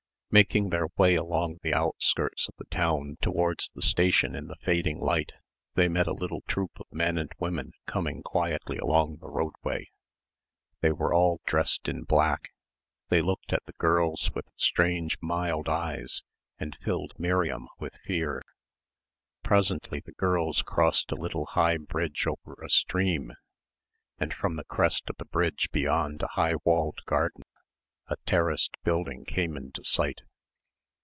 Making their way along the outskirts of the town towards the station in the fading light they met a little troop of men and women coming quietly along the roadway. They were all dressed in black. They looked at the girls with strange mild eyes and filled Miriam with fear. Presently the girls crossed a little high bridge over a stream, and from the crest of the bridge beyond a high walled garden a terraced building came into sight.